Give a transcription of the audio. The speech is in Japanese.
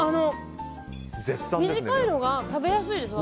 短いのが食べやすいです